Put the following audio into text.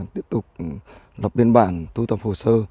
tiếp tục lập biên bản thu tập hồ sơ